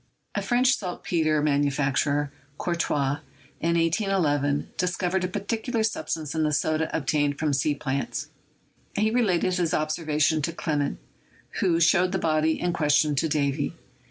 A French saltpeter manufacturer, Courtois, in 181 1 dis covered a peculiar substance in the soda obtained from sea plants; he related his observation to Clement, who showed the body in question to Davy.